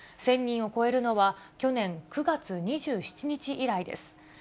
１０００人を超えるのは、去年９月２７日以来です。